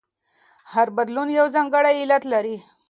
هر بدلون یو ځانګړی علت لري.